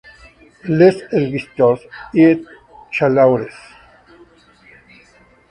Les Églisottes-et-Chalaures